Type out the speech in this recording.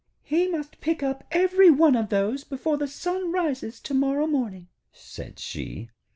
'He must pick up every one of those before the sun rises to morrow morning,' said she.